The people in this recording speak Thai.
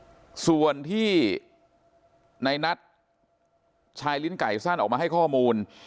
ส่วนที่ในนัดชายลิ้นไก่สั้นออกมาให้ข้อมูล